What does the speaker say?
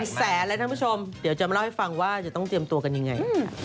แสนแล้วท่านผู้ชมเดี๋ยวจะมาเล่าให้ฟังว่าจะต้องเตรียมตัวกันยังไง